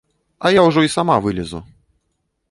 А я ўжо і сама вылезу!